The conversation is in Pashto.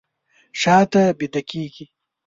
شاته بیده کیږي